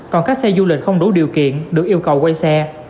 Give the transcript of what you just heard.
còn các xe du lịch không đủ điều kiện được yêu cầu quay xe